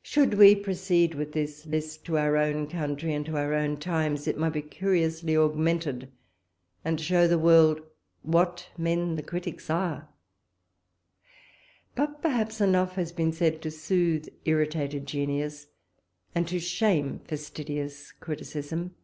Should we proceed with this list to our own country, and to our own times, it might be curiously augmented, and show the world what men the Critics are! but, perhaps, enough has been said to soothe irritated genius, and to shame fastidious criticism.